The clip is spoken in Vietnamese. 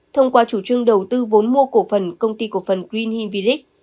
thông qua chủ trương đầu tư vốn mua cổ phần công ty cổ phần green hill village